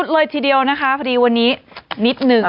เลยทีเดียวนะคะพอดีวันนี้นิดนึง